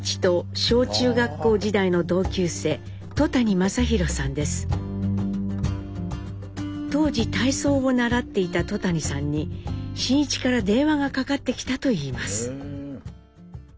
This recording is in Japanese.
真一と当時体操を習っていた戸谷さんに真一から電話がかかってきたといいます。